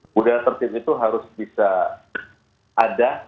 budaya tertib itu harus bisa ada